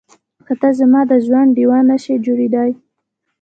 که ته زما د ژوند ډيوه نه شې جوړېدای.